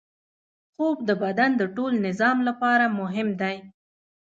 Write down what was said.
خوب د بدن د ټول نظام لپاره مهم دی